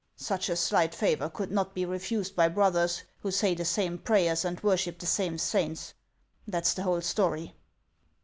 Such a slight favor could not be refused by brothers who say the same prayers and worship the same saints. That 's the whole story."